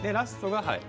はい。